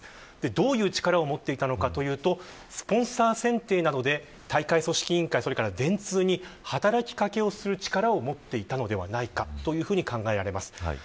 どういう力かというとスポンサー選定などで大会組織委員会や電通に働き掛けをする力を持っていたのではないかと考えられます。